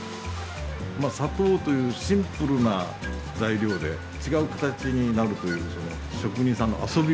砂糖というシンプルな材料で違う形になるという職人さんの遊び心。